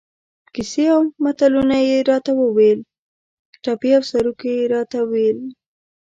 کیسې او متلونه یې را ته ویل، ټپې او سروکي یې را ته ویل.